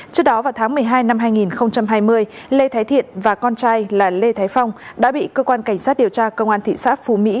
trước đó vào tháng một mươi hai năm hai nghìn hai mươi lê thái thiện và con trai là lê thái phong đã bị cơ quan cảnh sát điều tra công an thị xã phú mỹ